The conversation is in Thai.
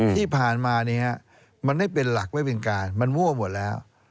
ที่ผ่านมามันไม่เป็นหลักไม่เป็นการมันมั่วหมดแล้ว